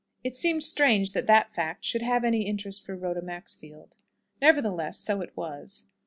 It seemed strange that that fact should have any interest for Rhoda Maxfield; nevertheless, so it was.